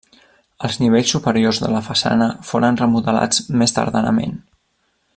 Els nivells superiors de la façana foren remodelats més tardanament.